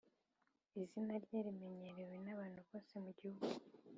izina rye rimenyerewe nabantu bose mugihugu.